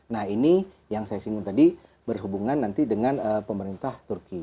nah ini yang saya singgung tadi berhubungan nanti dengan pemerintah turki